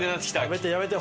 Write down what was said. やめてやめて。